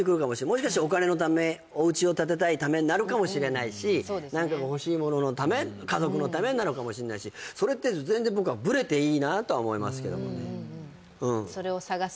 もしかしてお金のためおうちを建てたいためになるかもしれない何かが欲しいもののため家族のためなのかもしれないしそれって全然僕はブレていいなとは思いますけどもねそれを探す